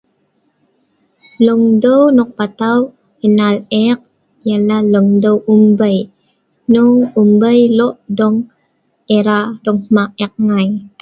longdeu nok patau enal ek ialah longdeu unbei hnung unbei lok dong era dong hma' ek ngai